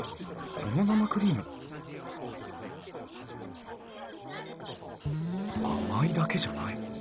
この生クリーム甘いだけじゃない。